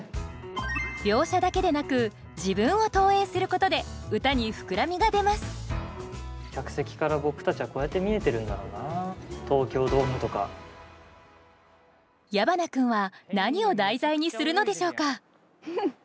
描写だけでなく自分を投影することで歌に膨らみが出ます矢花君は何を題材にするのでしょうか？